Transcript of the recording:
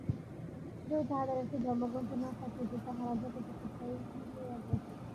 যদি তাহাদের একটি ধর্মগ্রন্থ না থাকিত, তাহারা জগতে কোথায় মিলাইয়া যাইত।